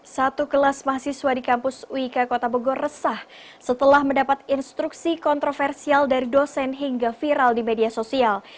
satu kelas mahasiswa di kampus uik kota bogor resah setelah mendapat instruksi kontroversial dari dosen hingga viral di media sosial